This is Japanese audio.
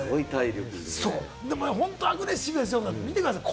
本当、アグレッシブですよ、見てください。